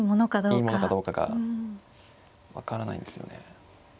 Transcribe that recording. いいものかどうかが分からないんですよね。